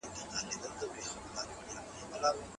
د ماشوم خندا ده ته یو ډول ارامي ورکړه.